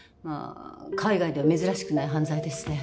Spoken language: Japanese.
海外では珍しくない犯罪ですね。